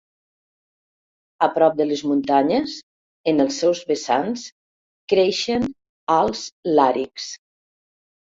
A prop de les muntanyes, en els seus vessants creixen alts làrixs.